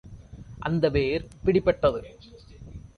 அந்த வேர் பிடிபட்டது.